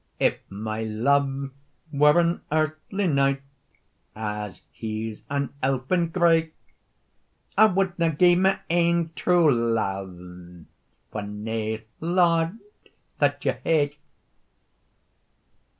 "If my love were an earthly knight, As he's an elfin grey, I wad na gie my ain true love For nae lord that ye hae.